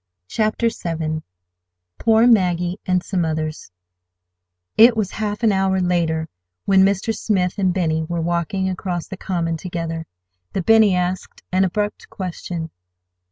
CHAPTER VII POOR MAGGIE AND SOME OTHERS It was half an hour later, when Mr. Smith and Benny were walking across the common together, that Benny asked an abrupt question.